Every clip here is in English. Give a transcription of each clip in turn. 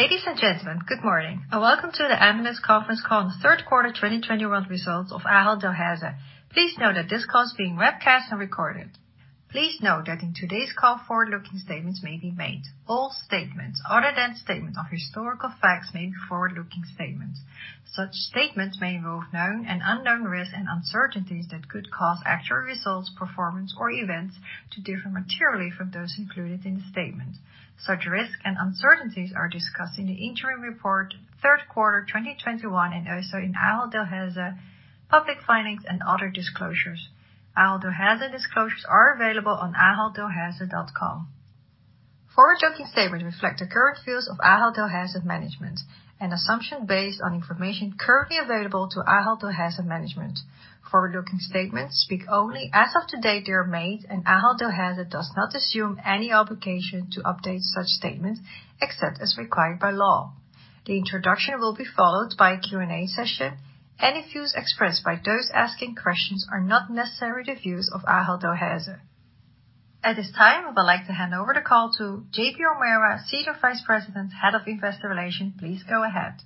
Ladies and gentlemen, good morning, and welcome to the analyst conference call on the third quarter 2021 results of Ahold Delhaize. Please note that this call is being webcast and recorded. Please note that in today's call, forward-looking statements may be made. All statements other than statements of historical facts are forward-looking statements. Such statements may involve known and unknown risks and uncertainties that could cause actual results, performance or events to differ materially from those included in the statements. Such risks and uncertainties are discussed in the interim report third quarter 2021, and also in Ahold Delhaize public filings and other disclosures. Ahold Delhaize disclosures are available on aholddelhaize.com. Forward-looking statements reflect the current views of Ahold Delhaize management and assumptions based on information currently available to Ahold Delhaize management. Forward-looking statements speak only as of the date they are made, and Ahold Delhaize does not assume any obligation to update such statements except as required by law. The introduction will be followed by a Q&A session. Any views expressed by those asking questions are not necessarily the views of Ahold Delhaize. At this time, I would like to hand over the call to JP O'Meara, Senior Vice President, Head of Investor Relations. Please go ahead.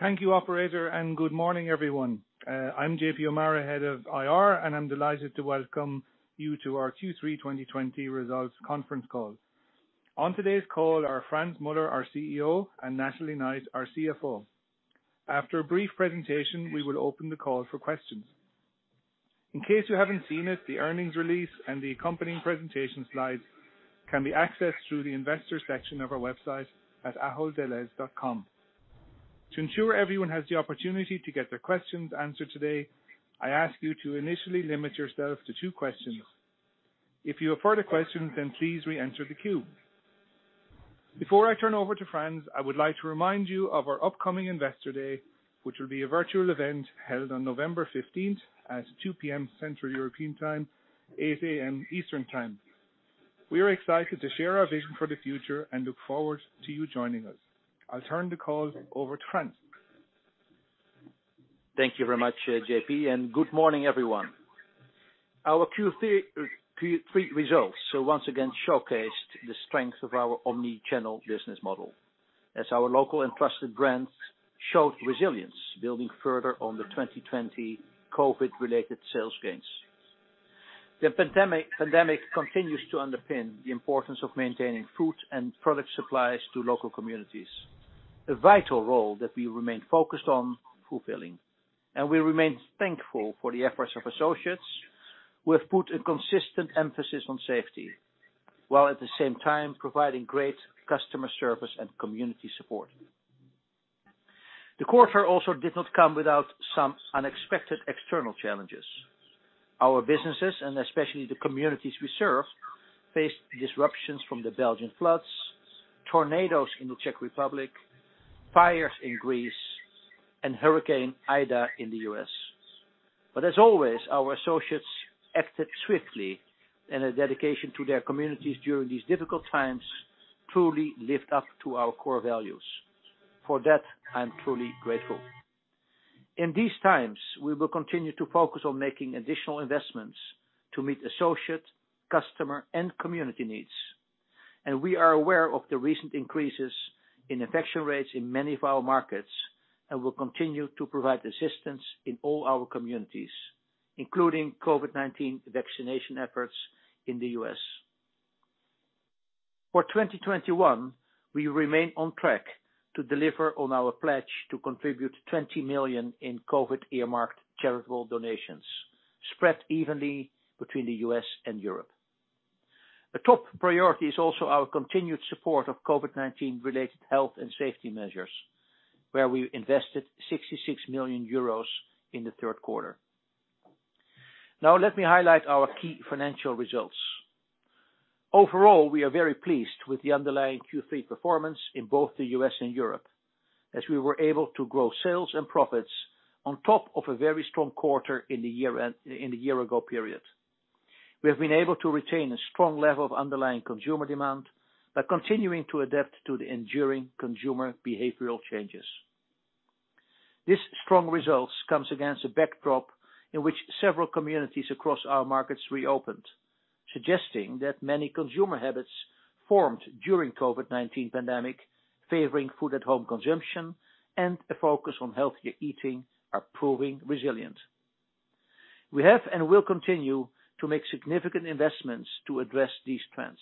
Thank you operator, and good morning, everyone. I'm JP O'Meara, Head of IR, and I'm delighted to welcome you to our Q3 2021 results conference call. On today's call are Frans Muller, our CEO, and Natalie Knight, our CFO. After a brief presentation, we will open the call for questions. In case you haven't seen it, the earnings release and the accompanying presentation slides can be accessed through the investor section of our website at aholddelhaize.com. To ensure everyone has the opportunity to get their questions answered today, I ask you to initially limit yourself to two questions. If you have further questions, then please re-enter the queue. Before I turn over to Frans, I would like to remind you of our upcoming Investor Day, which will be a virtual event held on November 15th at 2:00 P.M. Central European Time, 8:00 A.M. Eastern Time. We are excited to share our vision for the future and look forward to you joining us. I'll turn the call over to Frans. Thank you very much, JP, and good morning, everyone. Our Q3 results once again showcased the strength of our omni-channel business model as our local and trusted brands showed resilience, building further on the 2020 COVID related sales gains. The pandemic continues to underpin the importance of maintaining food and product supplies to local communities, a vital role that we remain focused on fulfilling. We remain thankful for the efforts of associates who have put a consistent emphasis on safety, while at the same time providing great customer service and community support. The quarter also did not come without some unexpected external challenges. Our businesses, and especially the communities we serve, faced disruptions from the Belgian floods, tornadoes in the Czech Republic, fires in Greece, and Hurricane Ida in the U.S. As always, our associates acted swiftly with dedication to their communities during these difficult times, truly lived up to our core values. For that, I'm truly grateful. In these times, we will continue to focus on making additional investments to meet associate, customer, and community needs. We are aware of the recent increases in infection rates in many of our markets, and we'll continue to provide assistance in all our communities, including COVID-19 vaccination efforts in the U.S. For 2021, we remain on track to deliver on our pledge to contribute 20 million in COVID earmarked charitable donations, spread evenly between the U.S. and Europe. The top priority is also our continued support of COVID-19 related health and safety measures, where we invested 66 million euros in the third quarter. Now let me highlight our key financial results. Overall, we are very pleased with the underlying Q3 performance in both the U.S. and Europe, as we were able to grow sales and profits on top of a very strong quarter in the year ago period. We have been able to retain a strong level of underlying consumer demand by continuing to adapt to the enduring consumer behavioral changes. These strong results comes against a backdrop in which several communities across our markets reopened, suggesting that many consumer habits formed during COVID-19 pandemic, favoring food at home consumption and a focus on healthier eating are proving resilient. We have and will continue to make significant investments to address these trends.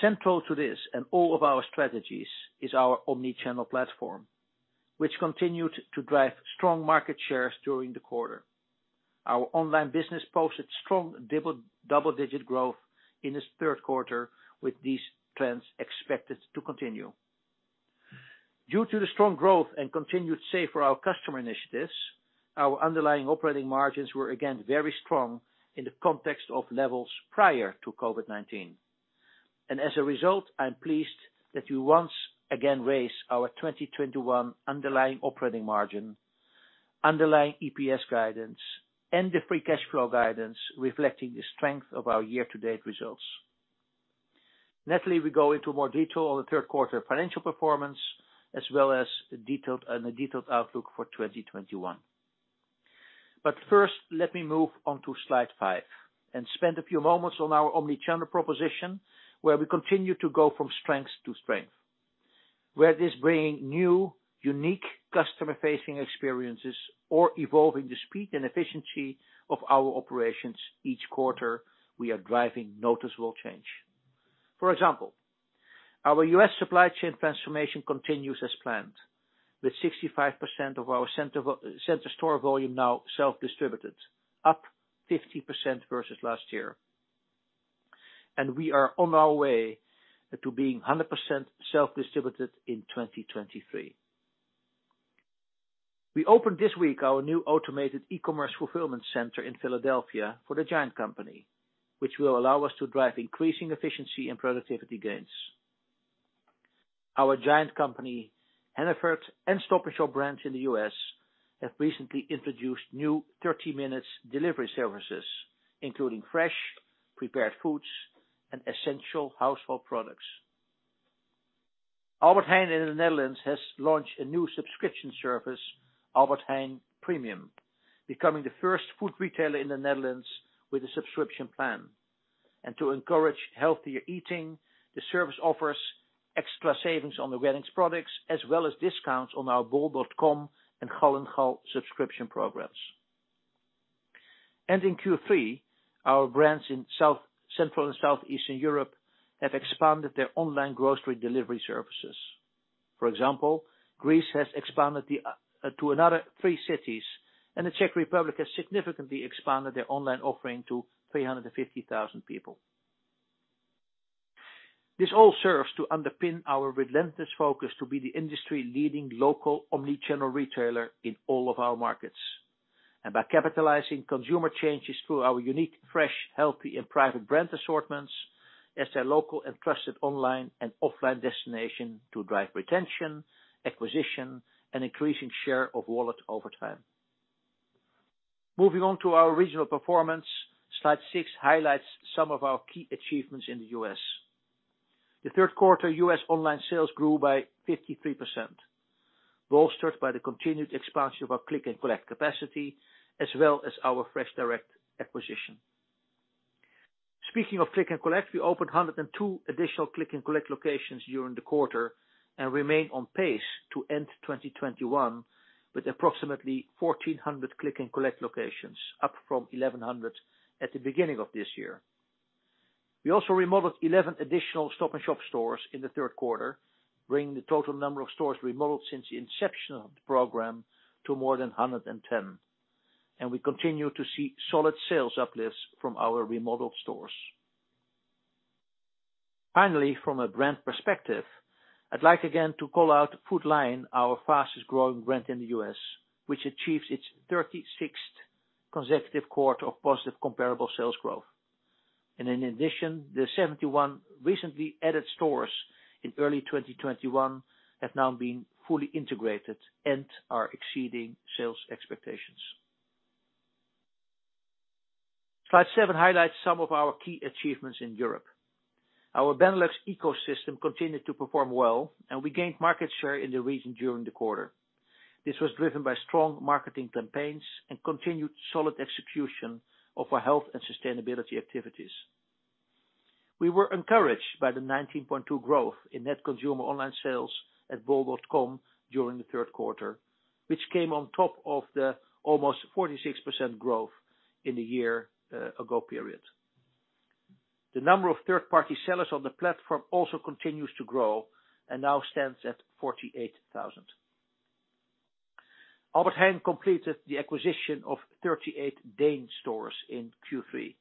Central to this and all of our strategies is our omni-channel platform, which continued to drive strong market shares during the quarter. Our online business posted strong double-digit growth in this third quarter, with these trends expected to continue. Due to the strong growth and continued Save for Our Customers initiatives, our underlying operating margins were again very strong in the context of levels prior to COVID-19. As a result, I'm pleased that we once again raised our 2021 underlying operating margin, underlying EPS guidance, and the free cash flow guidance reflecting the strength of our year-to-date results. Natalie, we go into more detail on the third quarter financial performance as well as a detailed outlook for 2021. First, let me move on to slide five and spend a few moments on our omni-channel proposition, where we continue to go from strength to strength. Where it is bringing new, unique customer-facing experiences or evolving the speed and efficiency of our operations each quarter, we are driving noticeable change. For example, our U.S. supply chain transformation continues as planned, with 65% of our center store volume now self-distributed, up 50% versus last year. We are on our way to being 100% self-distributed in 2023. We opened this week our new automated e-commerce fulfillment center in Philadelphia for The GIANT Company, which will allow us to drive increasing efficiency and productivity gains. Our GIANT Company, Hannaford, and Stop & Shop brands in the U.S. have recently introduced new 30 minutes delivery services, including fresh, prepared foods, and essential household products. Albert Heijn in the Netherlands has launched a new subscription service, My Albert Heijn Premium, becoming the first food retailer in the Netherlands with a subscription plan. To encourage healthier eating, the service offers extra savings on the wellness products, as well as discounts on our bol.com and Gall & Gall subscription programs. In Q3, our brands in South, Central, and Southeastern Europe have expanded their online grocery delivery services. For example, Greece has expanded the to another three cities, and the Czech Republic has significantly expanded their online offering to 350,000 people. This all serves to underpin our relentless focus to be the industry-leading local omni-channel retailer in all of our markets. By capitalizing consumer changes through our unique, fresh, healthy and private brand assortments, as a local and trusted online and offline destination to drive retention, acquisition, and increasing share of wallet over time. Moving on to our regional performance, slide six highlights some of our key achievements in the U.S. The third quarter U.S. online sales grew by 53%, bolstered by the continued expansion of our click and collect capacity, as well as our FreshDirect acquisition. Speaking of click and collect, we opened 102 additional click and collect locations during the quarter, and remain on pace to end 2021 with approximately 1,400 click and collect locations, up from 1,100 at the beginning of this year. We also remodeled 11 additional Stop & Shop stores in the third quarter, bringing the total number of stores remodeled since the inception of the program to more than 110, and we continue to see solid sales uplifts from our remodeled stores. Finally, from a brand perspective, I'd like again to call out Food Lion, our fastest-growing brand in the U.S., which achieves its 36th consecutive quarter of positive comparable sales growth. In addition, the 71 recently added stores in early 2021 have now been fully integrated and are exceeding sales expectations. Slide seven highlights some of our key achievements in Europe. Our Benelux ecosystem continued to perform well, and we gained market share in the region during the quarter. This was driven by strong marketing campaigns and continued solid execution of our health and sustainability activities. We were encouraged by the 19.2% growth in net consumer online sales at bol.com during the third quarter, which came on top of the almost 46% growth in the year-ago period. The number of third-party sellers on the platform also continues to grow and now stands at 48,000. Albert Heijn completed the acquisition of 38 DEEN stores in Q3.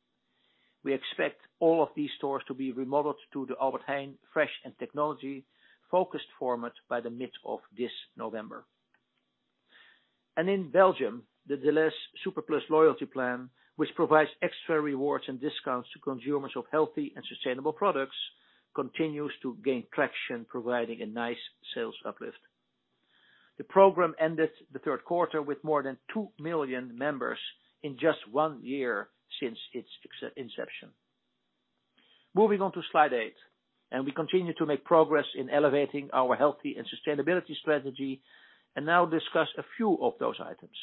We expect all of these stores to be remodeled to the Albert Heijn fresh and technology focused format by the mid of this November. In Belgium, the Delhaize SuperPlus loyalty plan, which provides extra rewards and discounts to consumers of healthy and sustainable products, continues to gain traction, providing a nice sales uplift. The program ended the third quarter with more than 2 million members in just one year since its inception. Moving on to slide eight, we continue to make progress in elevating our healthy and sustainable strategy, and now discuss a few of those items.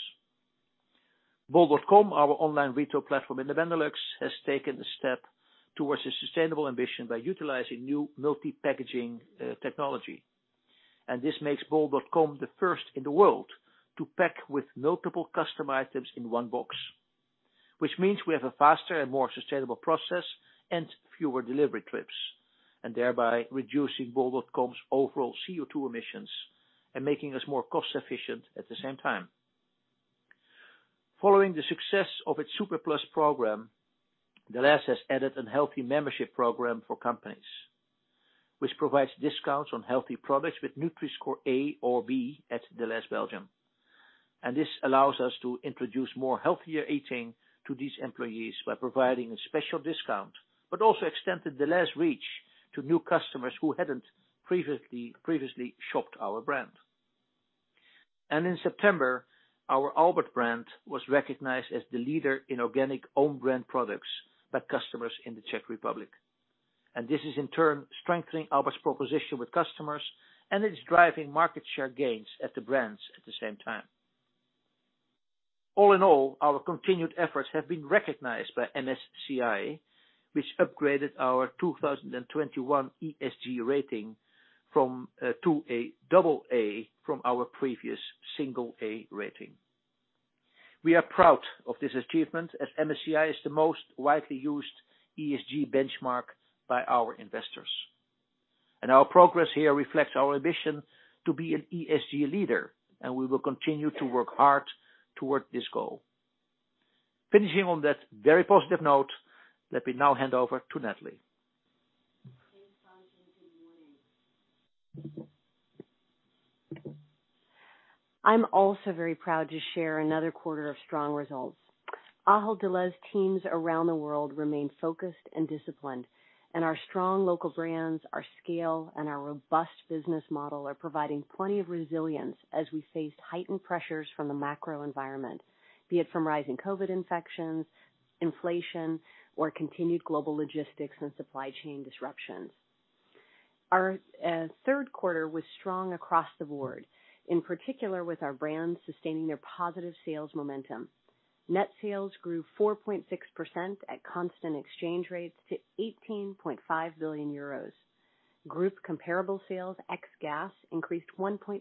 bol.com, our online retail platform in the Benelux, has taken a step towards a sustainable ambition by utilizing new multi-packaging technology. This makes bol.com the first in the world to pack with multiple customer items in one box, which means we have a faster and more sustainable process and fewer delivery trips, and thereby reducing bol.com's overall CO2 emissions and making us more cost efficient at the same time. Following the success of its SuperPlus program, Delhaize has added a healthy membership program for companies, which provides discounts on healthy products with Nutri-Score A or B at Delhaize Belgium. This allows us to introduce more healthier eating to these employees by providing a special discount, but also extended Delhaize reach to new customers who hadn't previously shopped our brand. In September, our Albert brand was recognized as the leader in organic own brand products by customers in the Czech Republic. This is in turn strengthening our proposition with customers and it's driving market share gains at the brands at the same time. All in all, our continued efforts have been recognized by MSCI, which upgraded our 2021 ESG rating from to a double A from our previous single A rating. We are proud of this achievement as MSCI is the most widely used ESG benchmark by our investors. Our progress here reflects our ambition to be an ESG leader, and we will continue to work hard toward this goal. Finishing on that very positive note, let me now hand over to Natalie. Thanks, Frans, and good morning. I'm also very proud to share another quarter of strong results. Ahold Delhaize teams around the world remain focused and disciplined, and our strong local brands, our scale, and our robust business model are providing plenty of resilience as we face heightened pressures from the macro environment, be it from rising COVID infections, inflation, or continued global logistics and supply chain disruptions. Our third quarter was strong across the board, in particular with our brands sustaining their positive sales momentum. Net sales grew 4.6% at constant exchange rates to EUR 18.5 billion. Group comparable sales ex gas increased 1.7%,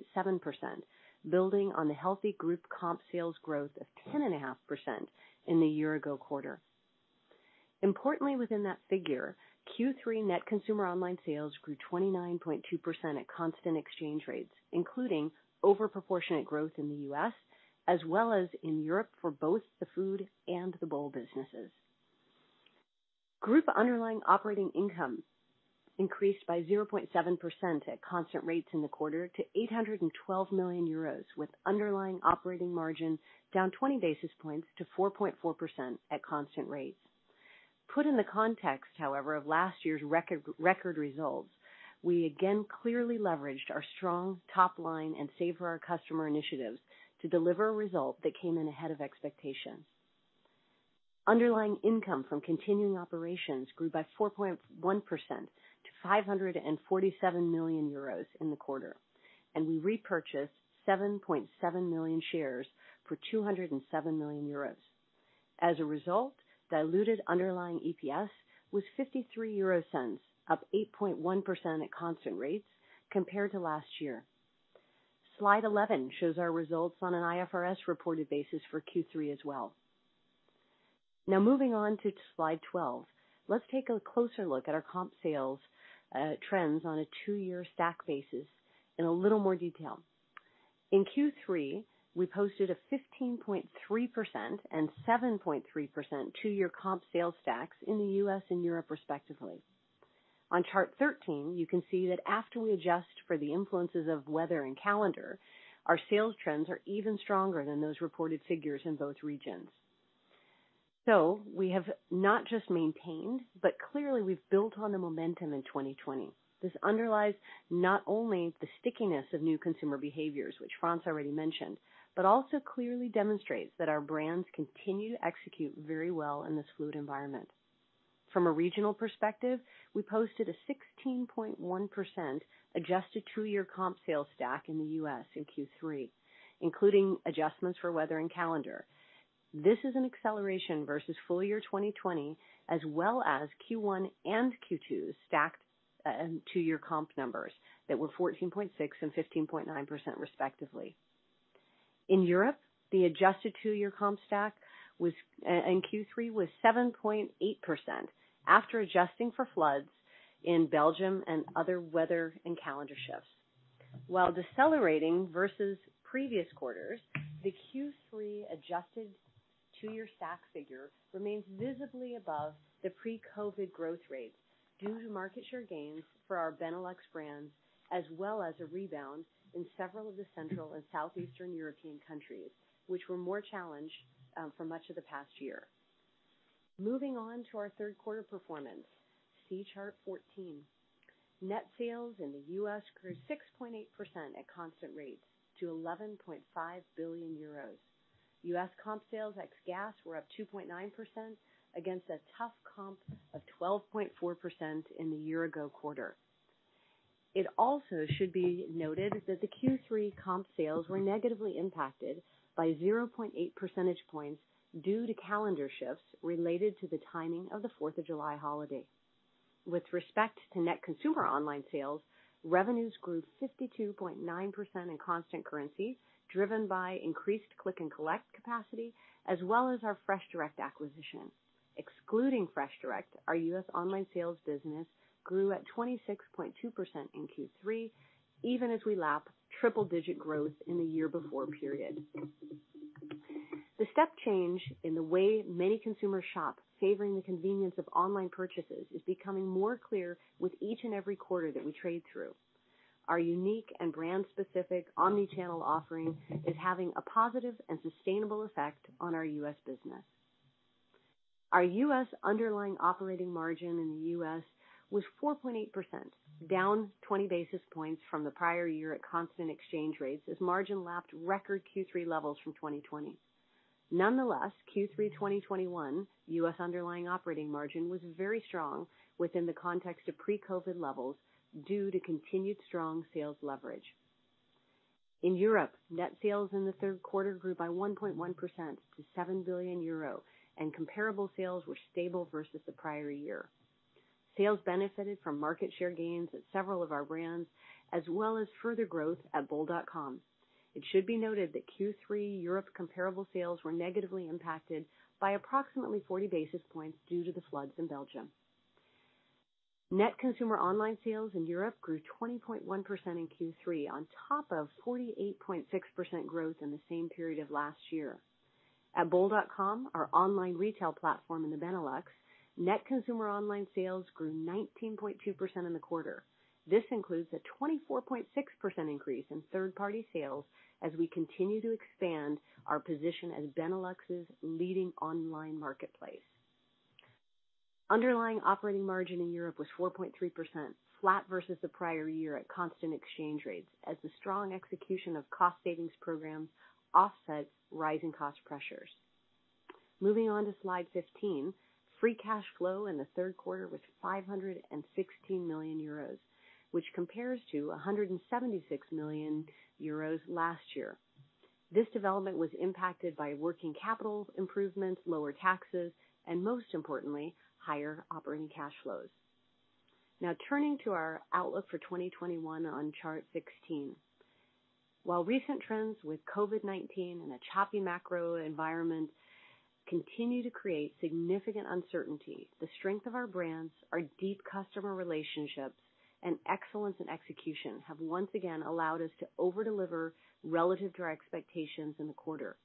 building on the healthy group comp sales growth of 10.5% in the year ago quarter. Importantly within that figure, Q3 net consumer online sales grew 29.2% at constant exchange rates, including disproportionate growth in the U.S. as well as in Europe for both the food and the bol.com businesses. Group underlying operating income increased by 0.7% at constant rates in the quarter to 812 million euros, with underlying operating margin down 20 basis points to 4.4% at constant rates. Put in the context, however, of last year's record results, we again clearly leveraged our strong top line and Save for Our Customers initiatives to deliver a result that came in ahead of expectations. Underlying income from continuing operations grew by 4.1% to 547 million euros in the quarter, and we repurchased 7.7 million shares for 207 million euros. As a result, diluted underlying EPS was 0.53, up 8.1% at constant rates compared to last year. Slide 11 shows our results on an IFRS reported basis for Q3 as well. Now moving on to slide 12, let's take a closer look at our comp sales trends on a two-year stack basis in a little more detail. In Q3, we posted a 15.3% and 7.3% two-year comp sales stacks in the U.S. and Europe respectively. On chart 13, you can see that after we adjust for the influences of weather and calendar, our sales trends are even stronger than those reported figures in both regions. We have not just maintained, but clearly we've built on the momentum in 2020. This underlies not only the stickiness of new consumer behaviors, which Frans already mentioned, but also clearly demonstrates that our brands continue to execute very well in this fluid environment. From a regional perspective, we posted a 16.1% adjusted two-year comp sales stack in the U.S. in Q3, including adjustments for weather and calendar. This is an acceleration versus full year 2020 as well as Q1 and Q2 stacked two-year comp numbers that were 14.6% and 15.9% respectively. In Europe, the adjusted two-year comp stack in Q3 was 7.8% after adjusting for floods in Belgium and other weather and calendar shifts. While decelerating versus previous quarters, the Q3 adjusted two-year stack figure remains visibly above the pre-COVID growth rates due to market share gains for our Benelux brands, as well as a rebound in several of the Central and Southeastern European countries, which were more challenged for much of the past year. Moving on to our third quarter performance. See chart 14. Net sales in the U.S. grew 6.8% at constant rates to 11.5 billion euros. U.S. comp sales ex-gas were up 2.9% against a tough comp of 12.4% in the year-ago quarter. It also should be noted that the Q3 comp sales were negatively impacted by 0.8 percentage points due to calendar shifts related to the timing of the 4th of July holiday. With respect to net consumer online sales, revenues grew 52.9% in constant currency, driven by increased click and collect capacity as well as our FreshDirect acquisition. Excluding FreshDirect, our U.S. online sales business grew at 26.2% in Q3, even as we lap triple-digit growth in the year before period. The step change in the way many consumers shop, favoring the convenience of online purchases, is becoming more clear with each and every quarter that we trade through. Our unique and brand-specific omnichannel offering is having a positive and sustainable effect on our U.S. business. Our U.S. underlying operating margin in the U.S. was 4.8%, down 20 basis points from the prior year at constant exchange rates as margin lapped record Q3 levels from 2020. Nonetheless, Q3 2021 U.S. underlying operating margin was very strong within the context of pre-COVID levels due to continued strong sales leverage. In Europe, net sales in the third quarter grew by 1.1% to 7 billion euro, and comparable sales were stable versus the prior year. Sales benefited from market share gains at several of our brands as well as further growth at bol.com. It should be noted that Q3 Europe comparable sales were negatively impacted by approximately 40 basis points due to the floods in Belgium. Net consumer online sales in Europe grew 20.1% in Q3 on top of 48.6% growth in the same period of last year. At bol.com, our online retail platform in the Benelux, net consumer online sales grew 19.2% in the quarter. This includes a 24.6% increase in third-party sales as we continue to expand our position as Benelux's leading online marketplace. Underlying operating margin in Europe was 4.3% flat versus the prior year at constant exchange rates as the strong execution of cost savings programs offset rising cost pressures. Moving on to slide 15. Free cash flow in the third quarter was 516 million euros, which compares to 176 million euros last year. This development was impacted by working capital improvements, lower taxes, and most importantly, higher operating cash flows. Now turning to our outlook for 2021 on chart 16. While recent trends with COVID-19 and a choppy macro environment continue to create significant uncertainty, the strength of our brands, our deep customer relationships, and excellence in execution have once again allowed us to over-deliver relative to our expectations in the quarter.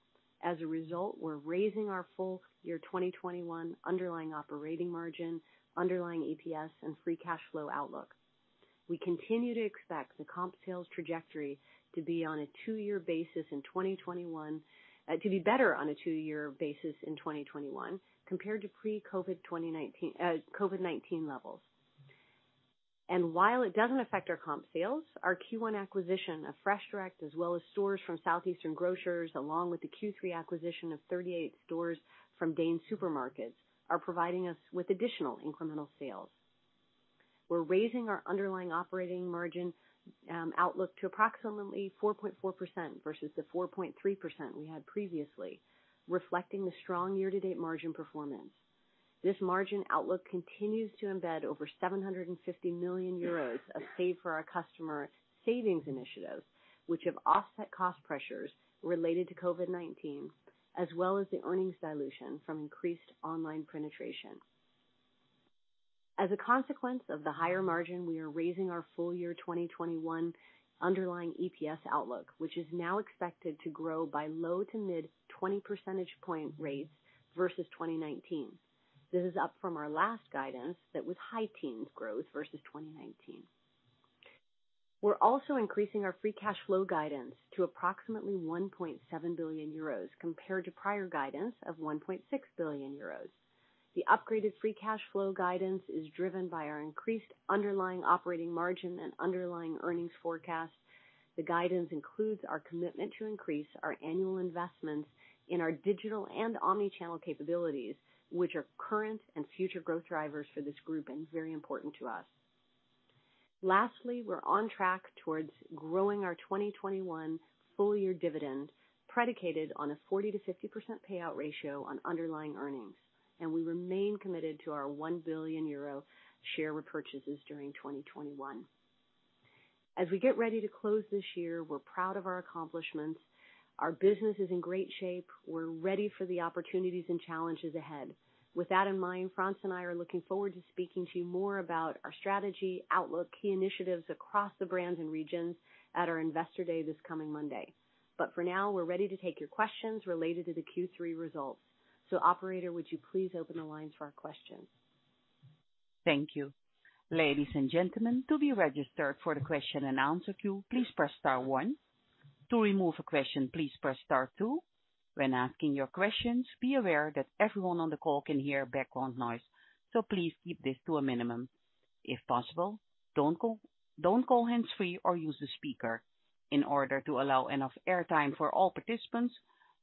As a result, we're raising our full-year 2021 underlying operating margin, underlying EPS, and free cash flow outlook. We continue to expect the comp sales trajectory to be better on a two-year basis in 2021 compared to pre-COVID-19 levels. While it doesn't affect our comp sales, our Q1 acquisition of FreshDirect as well as stores from Southeastern Grocers, along with the Q3 acquisition of 38 stores from DEEN Supermarkets, are providing us with additional incremental sales. We're raising our underlying operating margin outlook to approximately 4.4% versus the 4.3% we had previously, reflecting the strong year-to-date margin performance. This margin outlook continues to embed over 750 million euros of Save for Our Customers savings initiatives, which have offset cost pressures related to COVID-19 as well as the earnings dilution from increased online penetration. As a consequence of the higher margin, we are raising our full year 2021 underlying EPS outlook, which is now expected to grow by low-to-mid 20 percentage points versus 2019. This is up from our last guidance that was high-teens growth versus 2019. We're also increasing our free cash flow guidance to approximately 1.7 billion euros compared to prior guidance of 1.6 billion euros. The upgraded free cash flow guidance is driven by our increased underlying operating margin and underlying earnings forecast. The guidance includes our commitment to increase our annual investments in our digital and omni-channel capabilities, which are current and future growth drivers for this group and very important to us. Lastly, we're on track towards growing our 2021 full-year dividend predicated on a 40%-50% payout ratio on underlying earnings, and we remain committed to our 1 billion euro share repurchases during 2021. As we get ready to close this year, we're proud of our accomplishments. Our business is in great shape. We're ready for the opportunities and challenges ahead. With that in mind, Frans and I are looking forward to speaking to you more about our strategy, outlook, key initiatives across the brands and regions at our Investor Day this coming Monday. For now, we're ready to take your questions related to the Q3 results. Operator, would you please open the lines for our questions? Thank you. Ladies and gentlemen, to be registered for the question-and-answer queue, please press star one. To remove a question, please press star two. When asking your questions, be aware that everyone on the call can hear background noise, so please keep this to a minimum. If possible, don't go hands-free or use the speaker. In order to allow enough airtime for all participants,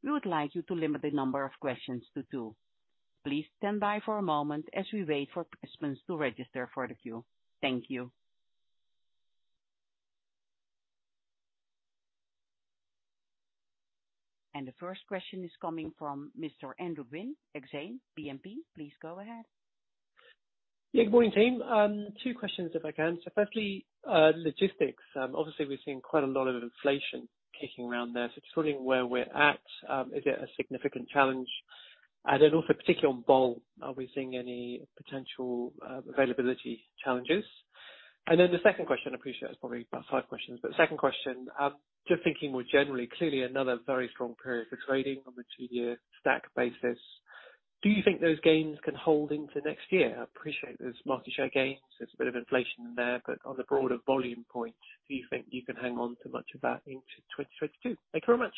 we would like you to limit the number of questions to two. Please stand by for a moment as we wait for participants to register for the queue. Thank you. The first question is coming from Mr. Andrew Gwynn, Exane BNP. Please go ahead. Yeah, good morning, team. Two questions if I can. Firstly, logistics. Obviously we've seen quite a lot of inflation kicking around there. Just wondering where we're at, is it a significant challenge? Then also particularly on Bol, are we seeing any potential availability challenges? The second question, I appreciate it's probably about five questions, but second question, just thinking more generally, clearly another very strong period for trading on the two-year stack basis. Do you think those gains can hold into next year? I appreciate there's market share gains. There's a bit of inflation in there, but on the broader volume point, do you think you can hang on to much of that into 2022? Thank you very much.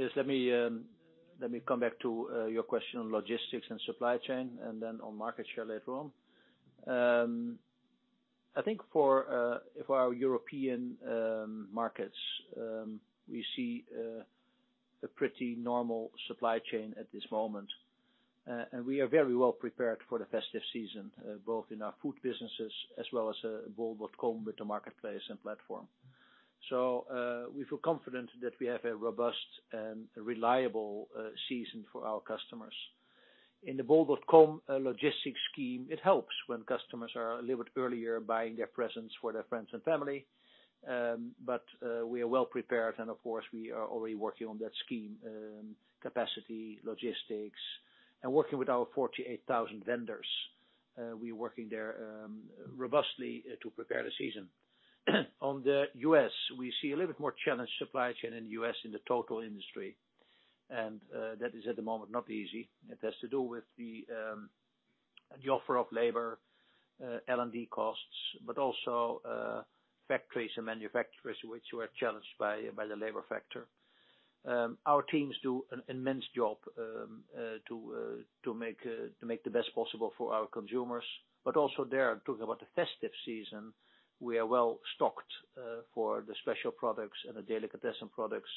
Yes, let me come back to your question on logistics and supply chain and then on market share later on. I think for our European markets, we see a pretty normal supply chain at this moment. We are very well prepared for the festive season both in our food businesses as well as bol.com with the marketplace and platform. We feel confident that we have a robust and reliable season for our customers. In the bol.com logistics scheme, it helps when customers are a little bit earlier buying their presents for their friends and family. We are well prepared and of course, we are already working on that scheme, capacity, logistics, and working with our 48,000 vendors. We're working there robustly to prepare the season. On the U.S., we see a little bit more challenged supply chain in the U.S. in the total industry, and that is at the moment not easy. It has to do with the offer of labor costs, but also factories and manufacturers which were challenged by the labor factor. Our teams do an immense job to make the best possible for our consumers, but also there, talking about the festive season, we are well stocked for the special products and the delicatessen products.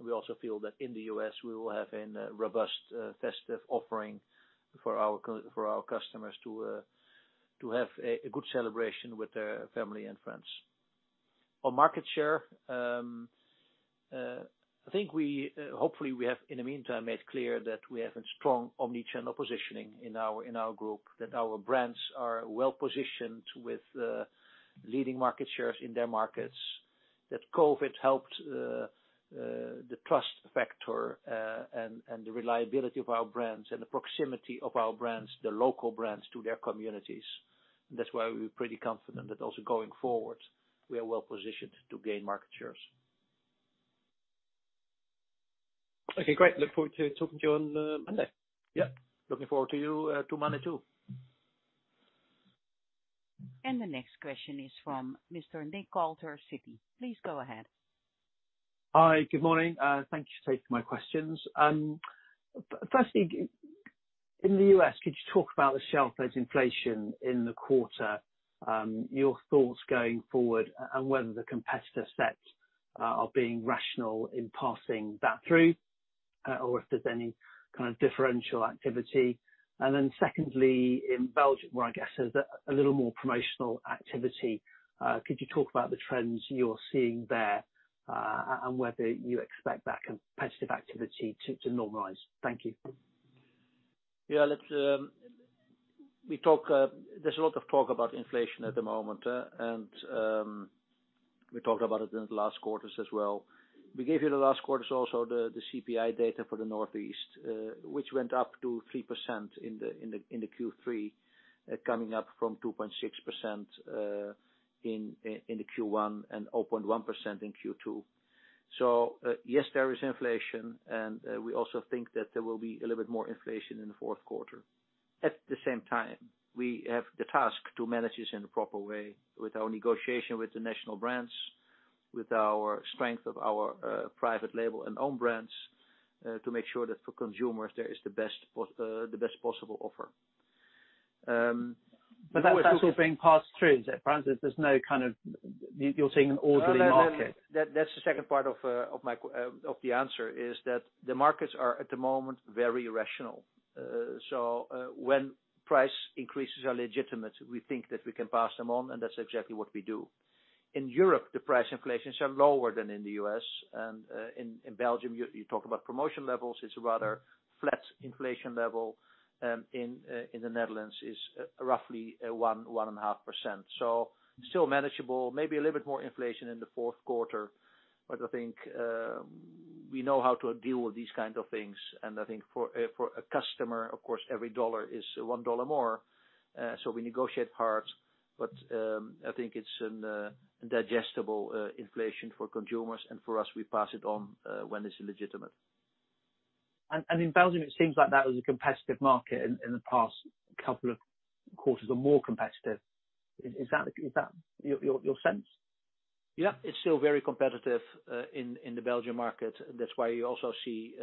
We also feel that in the U.S. we will have a robust festive offering for our customers to have a good celebration with their family and friends. On market share, I think hopefully we have, in the meantime, made clear that we have a strong omni-channel positioning in our group, that our brands are well-positioned with leading market shares in their markets. That COVID helped the trust factor and the reliability of our brands and the proximity of our brands, the local brands, to their communities. That's why we're pretty confident that also going forward, we are well-positioned to gain market shares. Okay, great. Look forward to talking to you on Monday. Yeah. Looking forward to Monday, too. The next question is from Mr. Nick Coulter, Citi. Please go ahead. Hi, good morning. Thank you for taking my questions. Firstly, in the U.S., could you talk about the sales inflation in the quarter, your thoughts going forward, and whether the competitor sets are being rational in passing that through, or if there's any kind of differential activity. Secondly, in Belgium, where I guess there's a little more promotional activity, could you talk about the trends you're seeing there, and whether you expect that competitive activity to normalize? Thank you. There's a lot of talk about inflation at the moment, and we talked about it in the last quarters as well. We gave you the last quarters also the CPI data for the Northeast, which went up to 3% in the Q3, coming up from 2.6% in the Q1 and 0.1% in Q2. Yes, there is inflation, and we also think that there will be a little bit more inflation in the fourth quarter. At the same time, we have the task to manage this in a proper way with our negotiation with the national brands, with our strength of our private label and own brands to make sure that for consumers, there is the best possible offer. That's also being passed through. Frans, are you're seeing an orderly market? No, no. That's the second part of my answer, is that the markets are, at the moment, very rational. When price increases are legitimate, we think that we can pass them on, and that's exactly what we do. In Europe, the price inflations are lower than in the U.S. In Belgium, you talk about promotion levels. It's a rather flat inflation level. In the Netherlands it's roughly 1.5%. Still manageable, maybe a little bit more inflation in the fourth quarter. I think we know how to deal with these kind of things. I think for a customer, of course, every dollar is one dollar more, so we negotiate hard. I think it's a digestible inflation for consumers and for us, we pass it on when it's legitimate. In Belgium, it seems like that was a competitive market in the past couple of quarters, or more competitive. Is that your sense? Yeah. It's still very competitive in the Belgian market. That's why you also see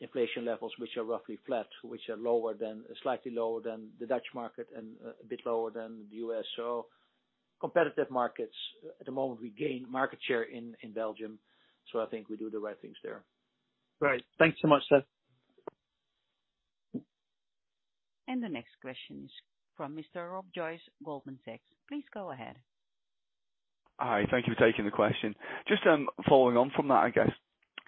inflation levels which are roughly flat, which are slightly lower than the Dutch market and a bit lower than the U.S. Competitive markets. At the moment, we gain market share in Belgium, so I think we do the right things there. Great. Thank you so much, sir. The next question is from Mr. Rob Joyce, Goldman Sachs. Please go ahead. Hi. Thank you for taking the question. Just following on from that, I guess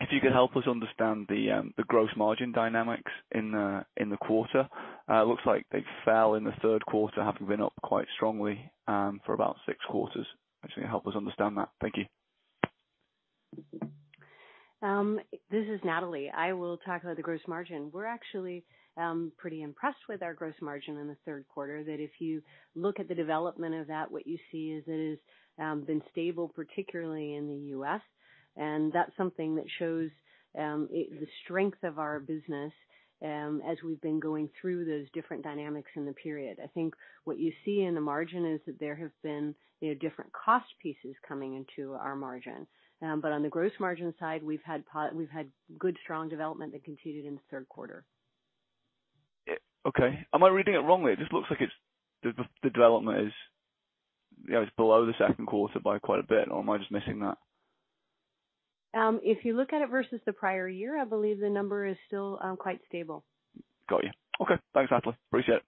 if you could help us understand the gross margin dynamics in the quarter. Looks like they fell in the third quarter, having been up quite strongly for about six quarters. Actually help us understand that. Thank you. This is Natalie. I will talk about the gross margin. We're actually pretty impressed with our gross margin in the third quarter, that if you look at the development of that, what you see is it has been stable, particularly in the U.S. That's something that shows it, the strength of our business, as we've been going through those different dynamics in the period. I think what you see in the margin is that there have been, you know, different cost pieces coming into our margin. But on the gross margin side, we've had good, strong development that continued in the third quarter. Yeah, okay. Am I reading it wrongly? It just looks like it's the development, you know, is below the second quarter by quite a bit, or am I just missing that? If you look at it versus the prior year, I believe the number is still quite stable. Got you. Okay. Thanks, Natalie. Appreciate it.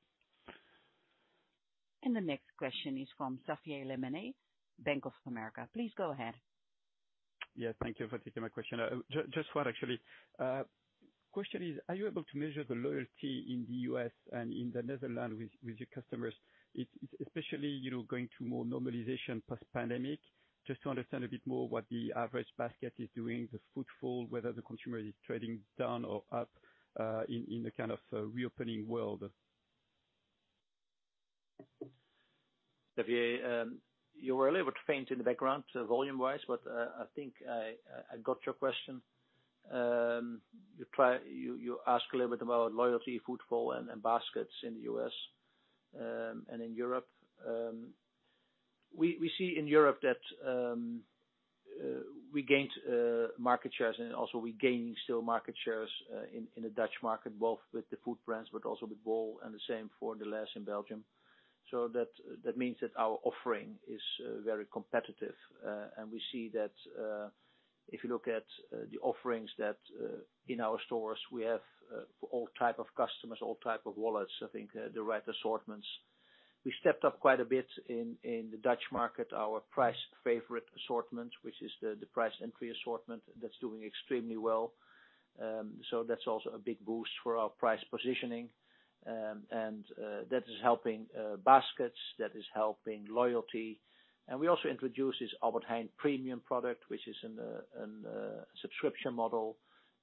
The next question is from Safia Lemine, Bank of America. Please go ahead. Yeah, thank you for taking my question. Just one actually. Question is, are you able to measure the loyalty in the U.S. and in the Netherlands with your customers, especially, you know, going to more normalization post-pandemic? Just to understand a bit more what the average basket is doing, the footfall, whether the consumer is trading down or up, in a kind of a reopening world. Safia, you were a little bit faint in the background volume-wise, but I think I got your question. You ask a little bit about loyalty, footfall and baskets in the U.S. and in Europe. We see in Europe that we gained market shares, and also we're gaining still market shares in the Dutch market, both with the food brands, but also with Bol, and the same for Delhaize in Belgium. That means that our offering is very competitive. We see that if you look at the offerings that in our stores, we have for all type of customers, all type of wallets, I think the right assortments. We stepped up quite a bit in the Dutch market, our price favorite assortment, which is the price entry assortment that's doing extremely well. That's also a big boost for our price positioning. That is helping baskets, that is helping loyalty. We also introduced this Albert Heijn Premium product, which is in a subscription model,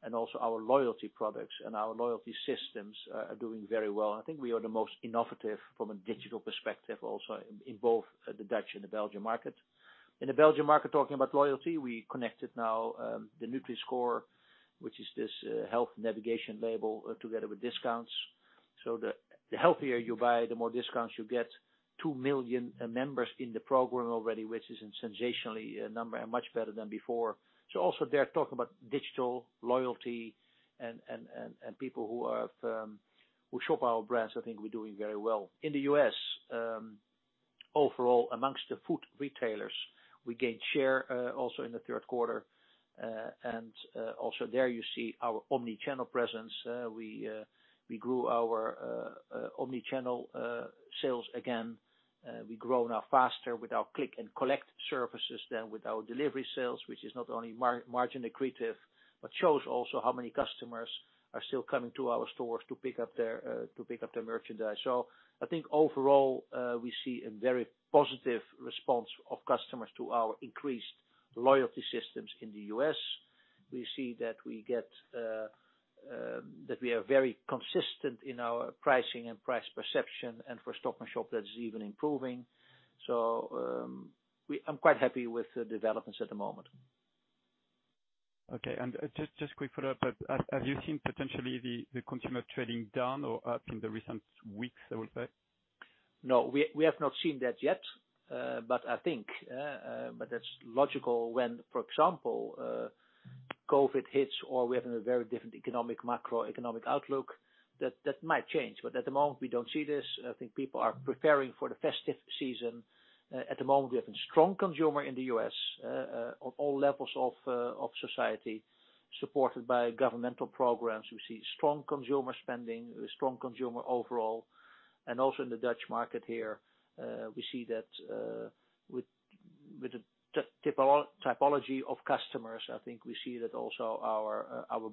and also our loyalty products and our loyalty systems are doing very well. I think we are the most innovative from a digital perspective, also in both the Dutch and the Belgian market. In the Belgian market, talking about loyalty, we connected now the Nutri-Score, which is this health navigation label together with discounts. The healthier you buy, the more discounts you get. 2 million members in the program already, which is a sensational number and much better than before. Also there, talk about digital loyalty and people who have who shop our brands, I think we're doing very well. In the U.S., overall, amongst the food retailers, we gained share, also in the third quarter. Also there you see our omni-channel presence. We grew our omni-channel sales again. We grown now faster with our click and collect services than with our delivery sales, which is not only margin accretive, but shows also how many customers are still coming to our stores to pick up their merchandise. I think overall, we see a very positive response of customers to our increased loyalty systems in the U.S. We see that we get that we are very consistent in our pricing and price perception, and for Stop & Shop, that is even improving. I'm quite happy with the developments at the moment. Okay. Just quick follow-up. Have you seen potentially the consumer trading down or up in the recent weeks, I would say? No, we have not seen that yet. But I think that's logical when, for example, COVID hits or we have a very different economic, macroeconomic outlook that might change. At the moment, we don't see this. I think people are preparing for the festive season. At the moment, we have a strong consumer in the U.S., on all levels of society, supported by governmental programs. We see strong consumer spending, a strong consumer overall. Also in the Dutch market here, we see that with the typology of customers, I think we see that also our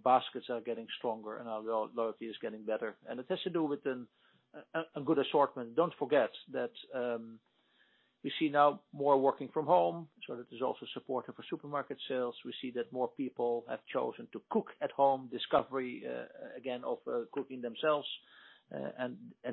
baskets are getting stronger and our loyalty is getting better. It has to do with a good assortment. Don't forget that, we see now more working from home, so that is also supportive for supermarket sales. We see that more people have chosen to cook at home, rediscovery again of cooking themselves.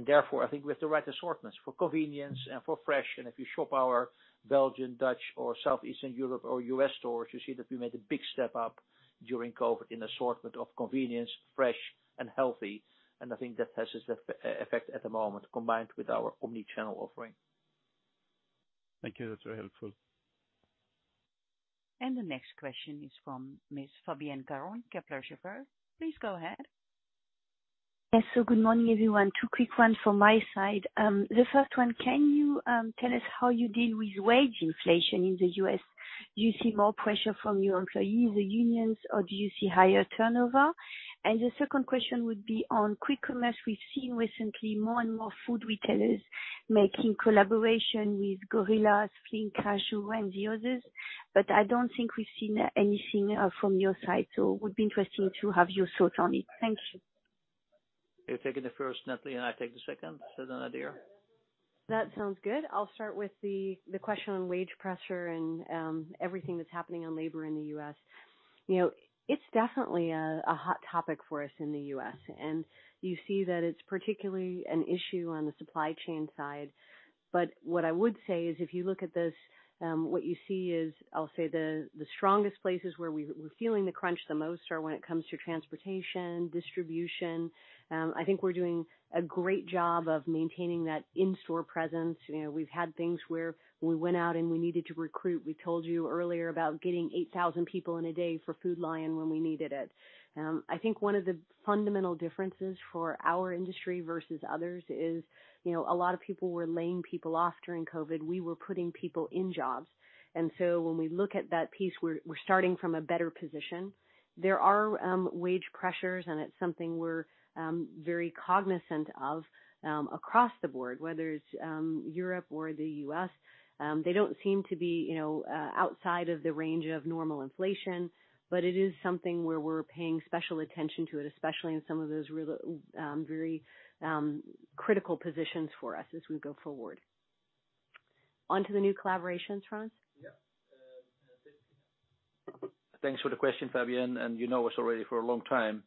Therefore, I think we have the right assortments for convenience and for fresh. If you shop our Belgian, Dutch or Southeastern Europe or U.S. stores, you see that we made a big step up during COVID in assortment of convenience, fresh and healthy. I think that has its effect at the moment, combined with our omnichannel offering. Thank you. That's very helpful. The next question is from Miss Fabienne Caron, Kepler Cheuvreux. Please go ahead. Yes. Good morning, everyone. Two quick ones from my side. The first one, can you tell us how you deal with wage inflation in the U.S.? Do you see more pressure from your employees, the unions, or do you see higher turnover? The second question would be on quick commerce. We've seen recently more and more food retailers making collaboration with Gorillas, Flink, Getir, and the others, but I don't think we've seen anything from your side. Would be interesting to have your thoughts on it. Thank you. You're taking the first, Natalie, and I take the second. Is that an idea? That sounds good. I'll start with the question on wage pressure and everything that's happening on labor in the U.S. You know, it's definitely a hot topic for us in the U.S., and you see that it's particularly an issue on the supply chain side. What I would say is if you look at this, what you see is I'll say the strongest places where we're feeling the crunch the most are when it comes to transportation, distribution. I think we're doing a great job of maintaining that in-store presence. You know, we've had things where we went out and we needed to recruit. We told you earlier about getting 8,000 people in a day for Food Lion when we needed it. I think one of the fundamental differences for our industry versus others is, you know, a lot of people were laying people off during COVID. We were putting people in jobs. When we look at that piece, we're starting from a better position. There are wage pressures, and it's something we're very cognizant of across the board, whether it's Europe or the U.S. They don't seem to be, you know, outside of the range of normal inflation, but it is something where we're paying special attention to it, especially in some of those very critical positions for us as we go forward. On to the new collaborations, Frans? Yeah. Thanks for the question, Fabienne. You know us already for a long time.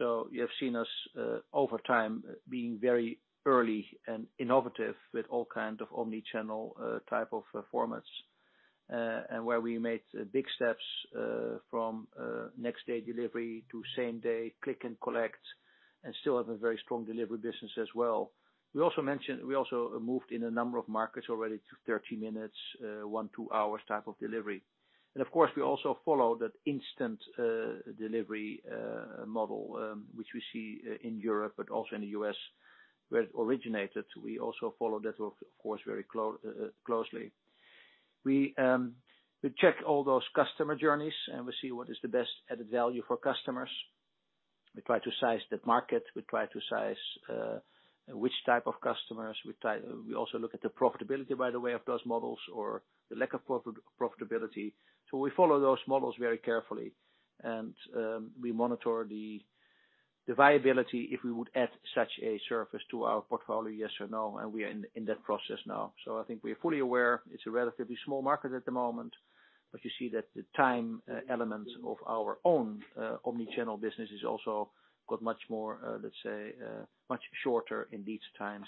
You have seen us over time being very early and innovative with all kind of omnichannel type of formats, and where we made big steps from next day delivery to same day click and collect, and still have a very strong delivery business as well. We also moved in a number of markets already to 30 minutes, one hours, two hours type of delivery. Of course, we also follow that instant delivery model, which we see in Europe, but also in the U.S., where it originated. We also follow that, of course, very closely. We check all those customer journeys, and we see what is the best added value for customers. We try to size the market, which type of customers. We also look at the profitability, by the way, of those models or the lack of profitability. We follow those models very carefully. We monitor the viability if we would add such a service to our portfolio, yes or no, and we are in that process now. I think we are fully aware it's a relatively small market at the moment, but you see that the time element of our own omnichannel business has also got much more, let's say, much shorter in these times.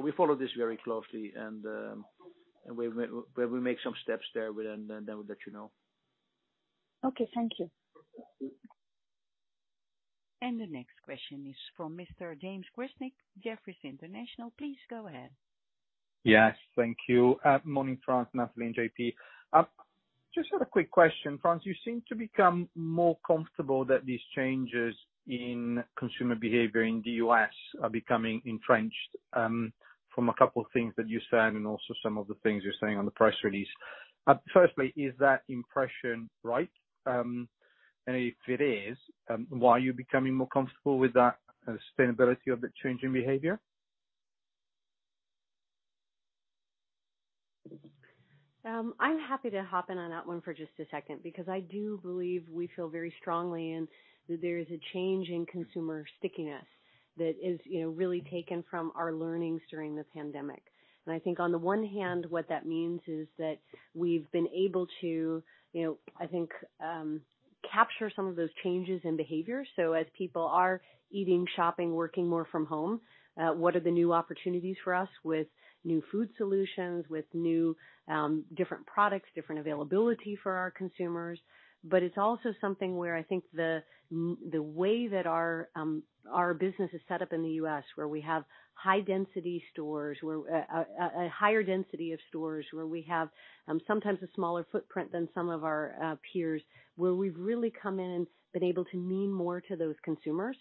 We follow this very closely and where we make some steps there, we then we'll let you know. Okay, thank you. The next question is from Mr. James Grzinic, Jefferies International. Please go ahead. Yes, thank you. Morning, Frans, Natalie, and JP. Just had a quick question. Frans, you seem to become more comfortable that these changes in consumer behavior in the U.S. are becoming entrenched, from a couple of things that you said and also some of the things you're saying on the press release. Firstly, is that impression right? If it is, why are you becoming more comfortable with that sustainability of the change in behavior? I'm happy to hop in on that one for just a second because I do believe we feel very strongly and that there is a change in consumer stickiness that is, you know, really taken from our learnings during the pandemic. I think on the one hand, what that means is that we've been able to, you know, I think, capture some of those changes in behavior. As people are eating, shopping, working more from home, what are the new opportunities for us with new food solutions, with new, different products, different availability for our consumers? It's also something where I think the way that our business is set up in the U.S., where we have high density stores, where a higher density of stores, where we have sometimes a smaller footprint than some of our peers, where we've really come in and been able to mean more to those consumers.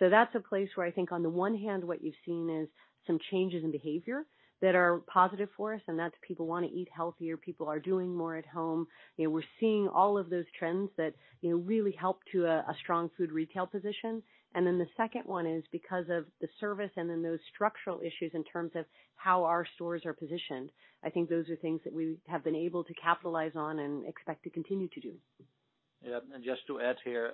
That's a place where I think on the one hand, what you've seen is some changes in behavior that are positive for us, and that's people wanna eat healthier, people are doing more at home. You know, we're seeing all of those trends that really help to a strong food retail position. Then the second one is because of the service and then those structural issues in terms of how our stores are positioned. I think those are things that we have been able to capitalize on and expect to continue to do. Yeah. Just to add here,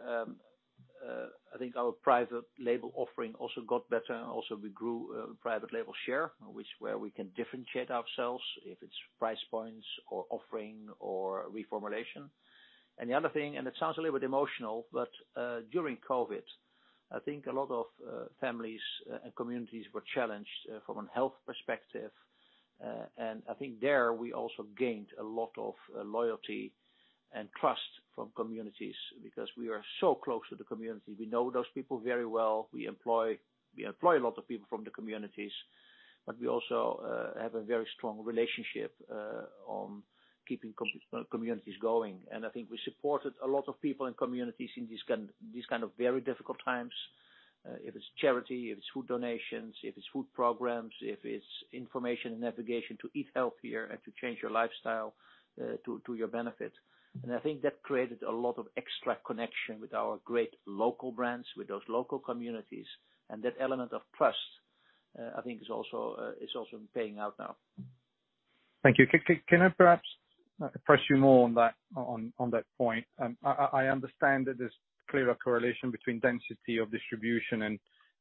I think our private label offering also got better. Also we grew private label share, which where we can differentiate ourselves if it's price points or offering or reformulation. The other thing, and it sounds a little bit emotional, but during COVID, I think a lot of families and communities were challenged from a health perspective. And I think there, we also gained a lot of loyalty and trust from communities because we are so close to the community. We know those people very well. We employ a lot of people from the communities, but we also have a very strong relationship on keeping communities going. And I think we supported a lot of people in communities in these kind of very difficult times. If it's charity, if it's food donations, if it's food programs, if it's information and navigation to eat healthier and to change your lifestyle, to your benefit. I think that created a lot of extra connection with our great local brands, with those local communities. That element of trust, I think, is also paying out now. Thank you. Can I perhaps press you more on that, on that point? I understand that there's clear correlation between density of distribution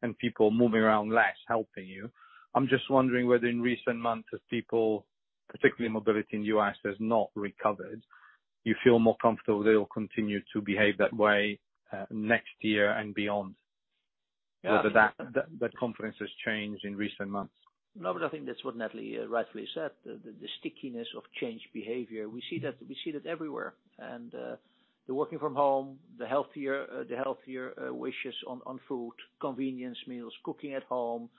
and people moving around less helping you. I'm just wondering whether in recent months, as people, particularly mobility in U.S., has not recovered, you feel more comfortable they'll continue to behave that way, next year and beyond. Whether that confidence has changed in recent months. No, I think that's what Natalie rightfully said, the stickiness of changed behavior. We see that everywhere. The working from home, the healthier wishes on food, convenience meals, cooking at home.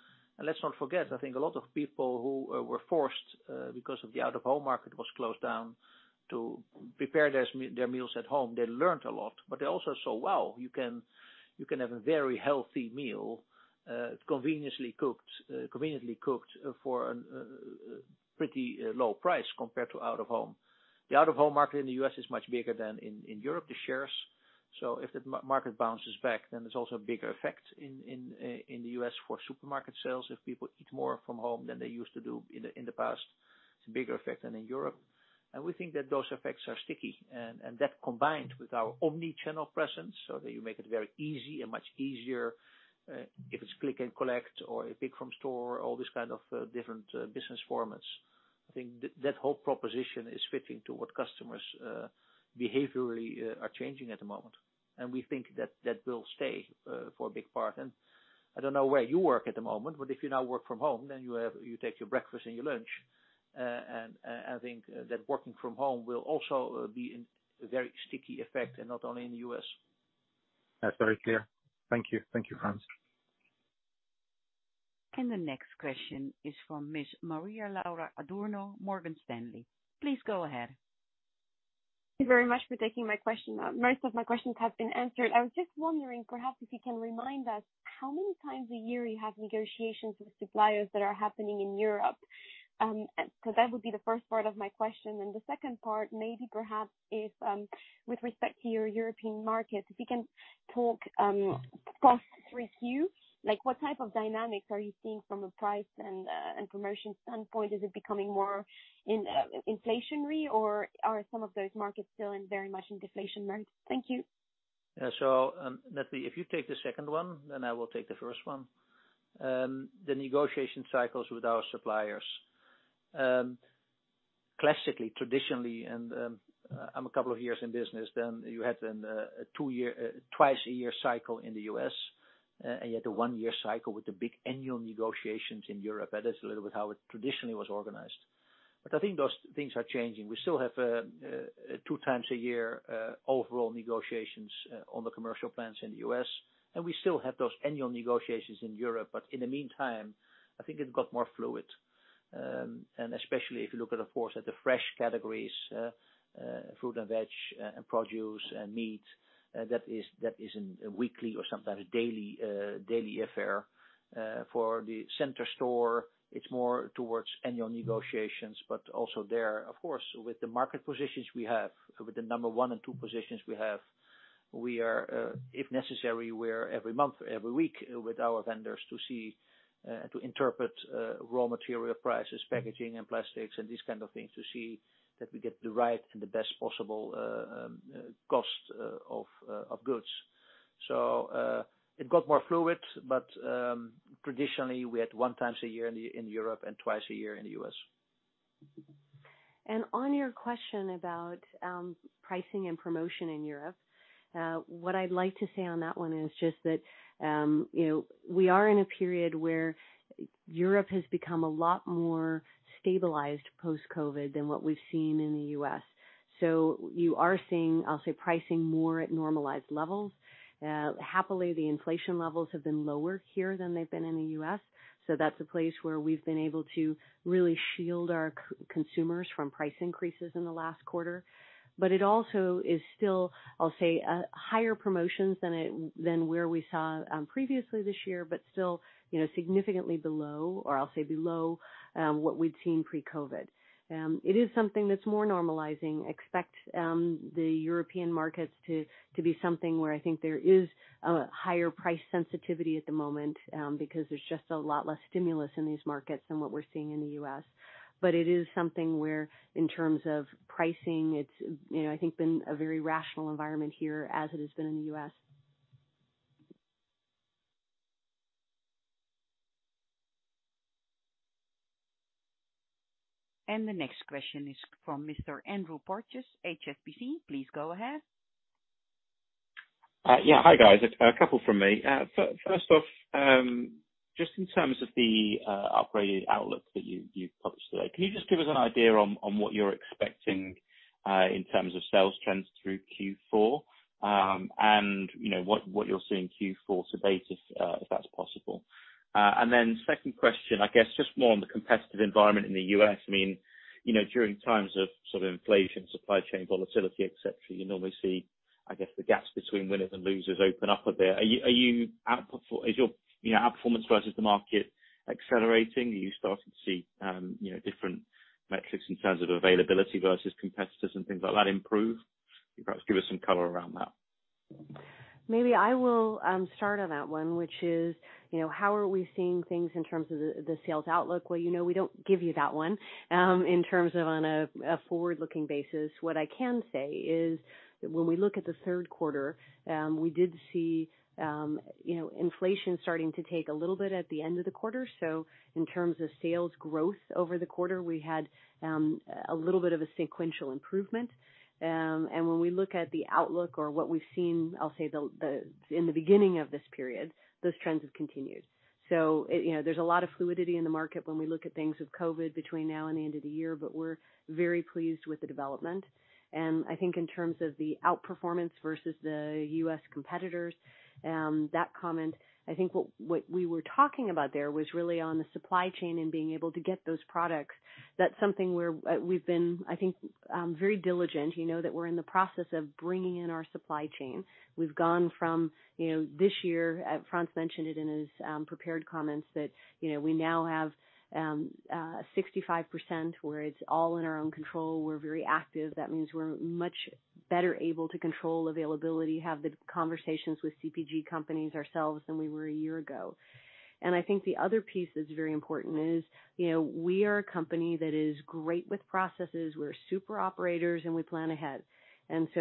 Let's not forget, I think a lot of people who were forced because of the out of home market was closed down, to prepare their meals at home. They learned a lot, but they also saw, wow, you can have a very healthy meal conveniently cooked for pretty low price compared to out of home. The out of home market in the U.S. is much bigger than in Europe, the shares. If the market bounces back, then there's also a bigger effect in the U.S. for supermarket sales if people eat more from home than they used to do in the past, it's a bigger effect than in Europe. We think that those effects are sticky. That combined with our omni-channel presence, so that you make it very easy and much easier, if it's click and collect or if pick from store, all this kind of different business formats. I think that whole proposition is fitting to what customers behaviorally are changing at the moment. We think that will stay for a big part. I don't know where you work at the moment, but if you now work from home, then you take your breakfast and your lunch. I think that working from home will also have a very sticky effect, and not only in the U.S. That's very clear. Thank you. Thank you, Frans. The next question is from Miss Maria-Laura Adurno, Morgan Stanley. Please go ahead. Thank you very much for taking my question. Most of my questions have been answered. I was just wondering perhaps if you can remind us how many times a year you have negotiations with suppliers that are happening in Europe. So that would be the first part of my question. The second part, maybe perhaps if, with respect to your European markets, if you can talk, post Q3, like, what type of dynamics are you seeing from a price and promotion standpoint? Is it becoming more inflationary or are some of those markets still very much in deflation mode? Thank you. Natalie, if you take the second one, I will take the first one. The negotiation cycles with our suppliers. Classically, traditionally, I'm a couple of years in business, then you had a two-year, twice-a-year cycle in the U.S., and you had the one-year cycle with the big annual negotiations in Europe. That is a little bit how it traditionally was organized. I think those things are changing. We still have two times a year overall negotiations on the commercial plans in the U.S. We still have those annual negotiations in Europe. In the meantime, I think it got more fluid, and especially if you look at, of course, at the fresh categories, fruit and veg, and produce and meat, that is in weekly or sometimes daily affair, for the center store, it's more towards annual negotiations. Also there, of course, with the market positions we have, with the number one and two positions we have, if necessary, we're every month, every week with our vendors to see, to interpret raw material prices, packaging and plastics and these kind of things, to see that we get the right and the best possible cost of goods. It got more fluid. Traditionally we had one time a year in Europe and twice a year in the U.S. On your question about pricing and promotion in Europe, what I'd like to say on that one is just that, you know, we are in a period where Europe has become a lot more stabilized post-COVID than what we've seen in the U.S. You are seeing, I'll say, pricing more at normalized levels. Happily, the inflation levels have been lower here than they've been in the U.S., so that's a place where we've been able to really shield our consumers from price increases in the last quarter. It also is still, I'll say, higher promotions than where we saw previously this year, but still, you know, significantly below or I'll say below what we'd seen pre-COVID. It is something that's more normalizing. I expect the European markets to be something where I think there is a higher price sensitivity at the moment, because there's just a lot less stimulus in these markets than what we're seeing in the U.S.. It is something where in terms of pricing, it's, you know, I think been a very rational environment here as it has been in the U.S.. The next question is from Mr. Andrew Porteous, HSBC. Please go ahead. Yeah. Hi, guys. A couple from me. First off, just in terms of the upgraded outlook that you published today, can you just give us an idea on what you're expecting in terms of sales trends through Q4? You know, what you're seeing Q4 to date, if that's possible. Second question, I guess just more on the competitive environment in the U.S. I mean, you know, during times of sort of inflation, supply chain volatility, et cetera, you normally see, I guess, the gaps between winners and losers open up a bit. Is your, you know, outperformance versus the market accelerating? Are you starting to see you know, different metrics in terms of availability versus competitors and things like that improve? Can you perhaps give us some color around that? Maybe I will start on that one, which is, you know, how are we seeing things in terms of the sales outlook? Well, you know, we don't give you that one in terms of, on a forward-looking basis. What I can say is when we look at the third quarter, we did see, you know, inflation starting to take a little bit at the end of the quarter. So in terms of sales growth over the quarter, we had a little bit of a sequential improvement. When we look at the outlook or what we've seen, I'll say in the beginning of this period, those trends have continued. There's a lot of fluidity in the market when we look at things with COVID between now and the end of the year, but we're very pleased with the development. I think in terms of the outperformance versus the U.S. competitors, that comment, I think what we were talking about there was really on the supply chain and being able to get those products. That's something we've been, I think, very diligent, you know, that we're in the process of bringing in our supply chain. We've gone from, you know, this year, Frans mentioned it in his prepared comments that, you know, we now have 65% where it's all in our own control. We're very active. That means we're much better able to control availability, have the conversations with CPG companies ourselves than we were a year ago. I think the other piece that's very important is, you know, we are a company that is great with processes. We're super operators, and we plan ahead.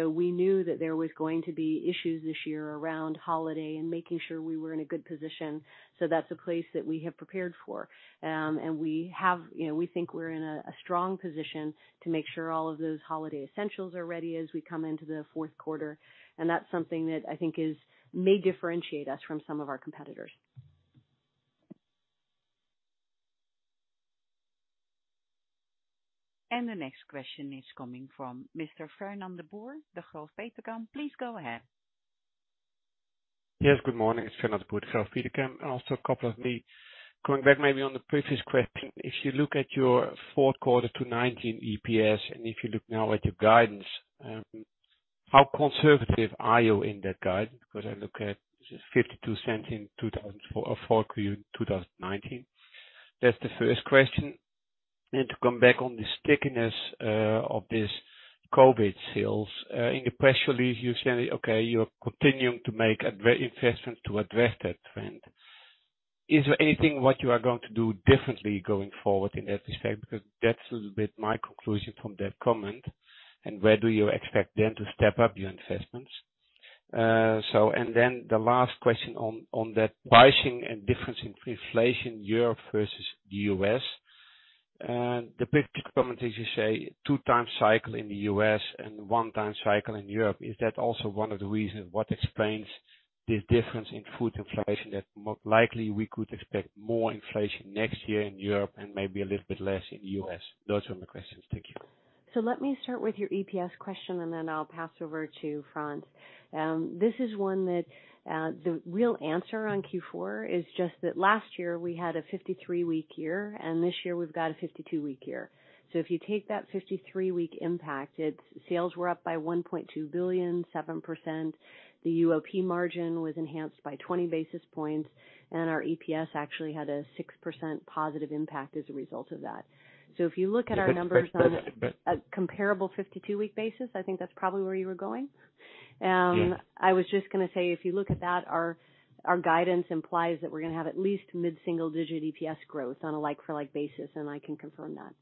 We knew that there was going to be issues this year around holiday and making sure we were in a good position. That's a place that we have prepared for. We have, you know, we think we're in a strong position to make sure all of those holiday essentials are ready as we come into the fourth quarter. That's something that I think is may differentiate us from some of our competitors. The next question is coming from Mr. Fernand De Boer, Degroof Petercam. Please go ahead. Yes, good morning. It's Fernand De Boer, Degroof Petercam. Also a couple from me going back maybe on the previous question. If you look at your Q4 2019 EPS, and if you look now at your guidance, how conservative are you in that guidance? Because I look at, this is EUR 0.52 in Q4 2019. That's the first question. To come back on the stickiness of this COVID sales, in your press release, you're saying, okay, you're continuing to make investments to address that trend. Is there anything that you are going to do differently going forward in that respect? Because that's a little bit my conclusion from that comment. Where do you expect then to step up your investments? The last question on that pricing and difference in inflation Europe versus the U.S. The big comment is you say two times cycle in the U.S. and one time cycle in Europe. Is that also one of the reasons that explains this difference in food inflation that most likely we could expect more inflation next year in Europe and maybe a little bit less in the U.S.? Those are my questions. Thank you. Let me start with your EPS question, and then I'll pass over to Frans. This is one that the real answer on Q4 is just that last year we had a 53-week year, and this year we've got a 52-week year. If you take that 53-week impact, its sales were up by 1.2 billion, 7%. The UOP margin was enhanced by 20 basis points, and our EPS actually had a 6% positive impact as a result of that. If you look at our numbers on- But, but, but-... a comparable 52-week basis, I think that's probably where you were going. Yeah. I was just gonna say, if you look at that, our guidance implies that we're gonna have at least mid-single-digit EPS growth on a like-for-like basis, and I can confirm that.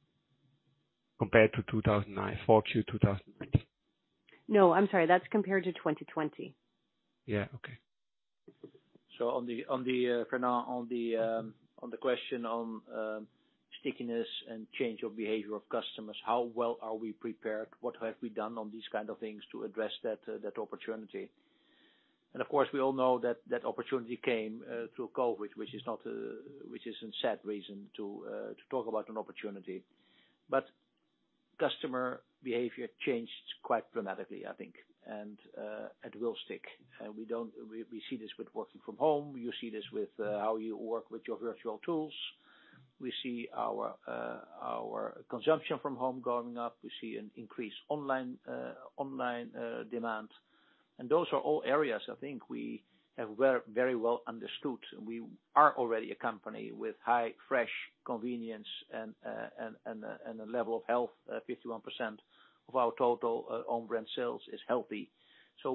Compared to Q4 2019. No, I'm sorry. That's compared to 2020. Yeah. Okay. Fernand, on the question on stickiness and change of behavior of customers, how well are we prepared? What have we done on these kind of things to address that opportunity? Of course, we all know that opportunity came through COVID, which isn't a sad reason to talk about an opportunity. Customer behavior changed quite dramatically, I think, and will stick. We see this with working from home. You see this with how you work with your virtual tools. We see our consumption from home going up. We see an increased online demand. Those are all areas I think we have very well understood. We are already a company with high fresh convenience and a level of health. 51% of our total own brand sales is healthy.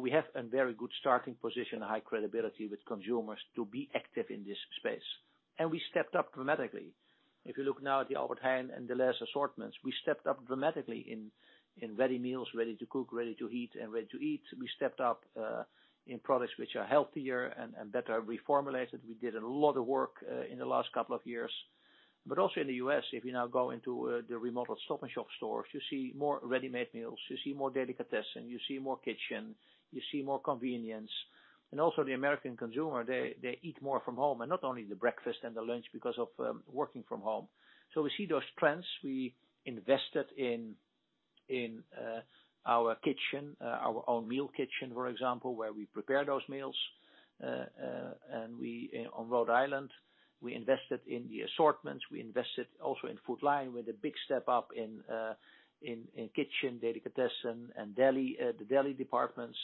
We have a very good starting position, high credibility with consumers to be active in this space. We stepped up dramatically. If you look now at the Albert Heijn and the last assortments, we stepped up dramatically in ready meals, ready to cook, ready to heat, and ready to eat. We stepped up in products which are healthier and better reformulated. We did a lot of work in the last couple of years. Also in the U.S., if you now go into the remodeled Stop & Shop stores, you see more ready-made meals, you see more delicatessen, you see more kitchen, you see more convenience. The American consumer, they eat more from home, and not only the breakfast and the lunch because of working from home. We see those trends. We invested in our own meal kitchen, for example, where we prepare those meals. Online, we invested in the assortments. We invested also in Food Lion with a big step up in kitchen, delicatessen, and deli departments,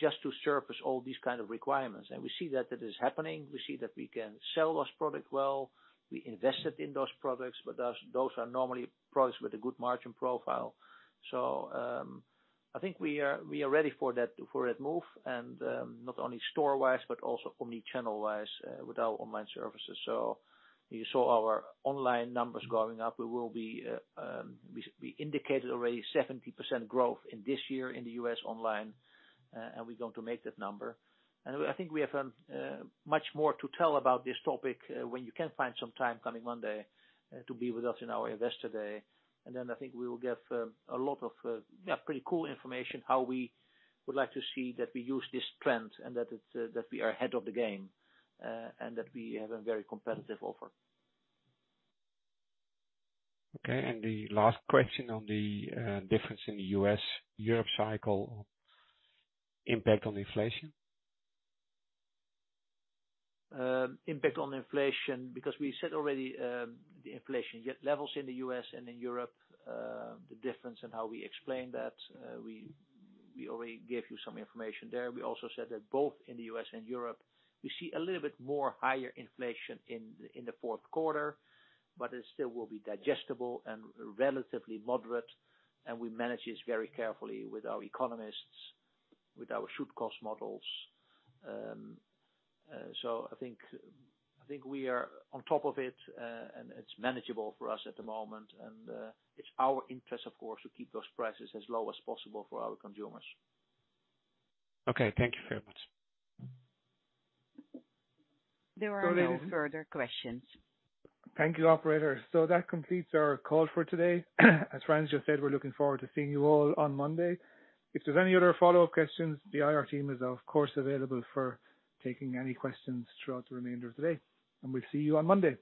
just to surface all these kind of requirements. We see that is happening. We see that we can sell those product well. We invested in those products, but those are normally products with a good margin profile. I think we are ready for that move and not only store wise, but also omni-channel wise with our online services. You saw our online numbers going up. We indicated already 70% growth in this year in the U.S. online and we're going to make that number. I think we have much more to tell about this topic when you can find some time coming Monday to be with us in our Investor Day. I think we will give a lot of pretty cool information how we would like to see that we use this trend and that we are ahead of the game, and that we have a very competitive offer. Okay. The last question on the difference in the U.S. Europe cycle impact on inflation. Impact on inflation, because we said already, the inflation levels in the U.S. and in Europe, the difference in how we explain that, we already gave you some information there. We also said that both in the U.S. and Europe, we see a little bit more higher inflation in the fourth quarter, but it still will be digestible and relatively moderate, and we manage this very carefully with our economists, with our should-cost models. I think we are on top of it, and it's manageable for us at the moment. It's our interest, of course, to keep those prices as low as possible for our consumers. Okay. Thank you very much. There are no further questions. Thank you, Operator. That completes our call for today. As Frans just said, we're looking forward to seeing you all on Monday. If there's any other follow-up questions, the IR team is of course available for taking any questions throughout the remainder of the day, and we'll see you on Monday.